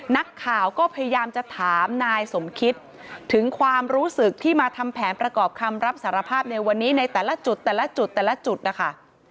นักข่าวก็พยายามจะถามนายสมคิดถึงความรู้สึกที่มาทำแผนประกอบคำรับสารภาพในวันนี้ในแต่ละจุดแต่ละจุดแต่ละจุดนะคะ